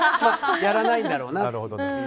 やらないんだろうなって。